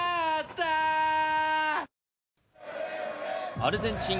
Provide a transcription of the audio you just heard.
アルゼンチン